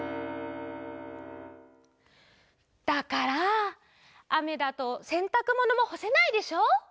だからあめだとせんたくものもほせないでしょ。